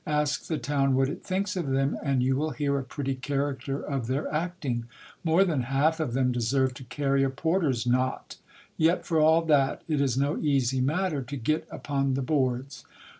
Ask the town what it thinks of them, and you will hear a pretty character of their acting. More than half of them deserve to carry a porter's knot. Yet for all that, it is no easy matter to get upon the boards.